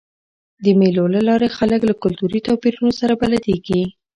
د مېلو له لاري خلک له کلتوري توپیرونو سره بلدیږي.